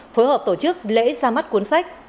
phối hợp tổ chức lễ ra mắt cuốn sách